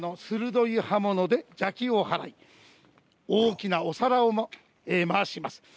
鋭い刃物で邪気を払い大きなお皿を回します。